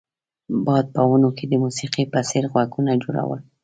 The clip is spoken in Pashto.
باد په ونو کې د موسیقۍ په څیر غږونه جوړول